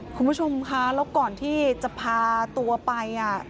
คุณผู้ชมคะแล้วก่อนที่จะพาตัวไป